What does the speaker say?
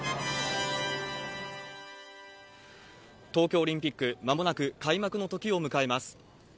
東京オリンピック、まもなく開幕のときを迎えます。